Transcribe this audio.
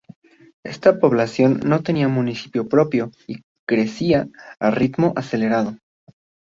Esta población no tenía Municipio propio y crecía a ritmo acelerado.